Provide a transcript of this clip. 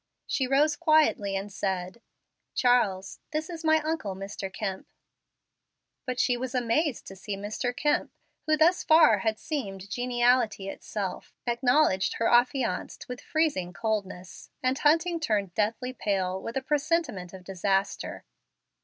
She rose quietly, and said, "Charles, this is my uncle, Mr. Kemp." But she was amazed to see Mr. Kemp, who thus far had seemed geniality itself, acknowledge her affianced with freezing coldness, and Hunting turned deathly pale with a presentiment of disaster.